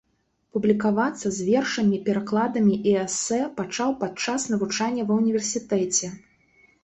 Публікавацца з вершамі, перакладамі і эсэ пачаў падчас навучання ва ўніверсітэце.